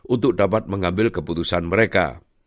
untuk dapat mengambil keputusan mereka